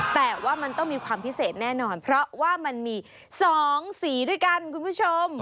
แต่ว่ามันต้องมีความพิเศษแน่นอนเพราะว่ามันมี๒สีด้วยกันคุณผู้ชม